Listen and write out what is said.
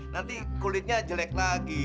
nanti kulitnya jelek lagi